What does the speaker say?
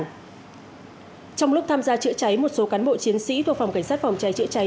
trong lúc tham gia chữa cháy một số cán bộ chiến sĩ thuộc phòng cảnh sát phòng cháy chữa cháy